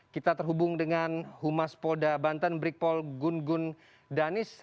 kita terhubung dengan humas polda banten brikpol gun gun danis